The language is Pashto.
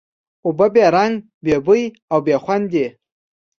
اوبه بې رنګ، بې بوی او بې خوند دي.